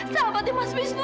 sahabatnya mas wisnu